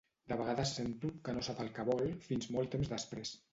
De vegades sento que no sap el que vol fins molt temps després.